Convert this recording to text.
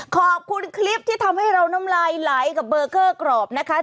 ขอบคุณคลิปที่ทำให้เราน้ำลายไหลกับเบอร์เกอร์กรอบนะคะ